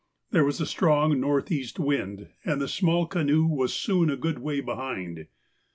There was a strong north east wind, and the small canoe was soon a good way behind.